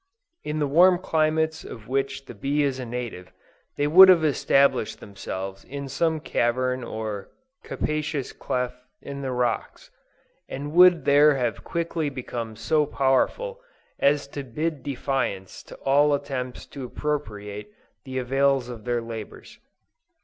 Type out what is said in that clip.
In the warm climates of which the bee is a native, they would have established themselves in some cavern or capacious cleft in the rocks, and would there have quickly become so powerful as to bid defiance to all attempts to appropriate the avails of their labors.